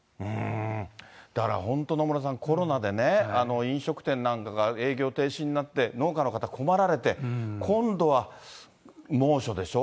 だから本当、野村さん、コロナで飲食店なんかが営業停止になって、農家の方、困られて、今度は猛暑でしょ。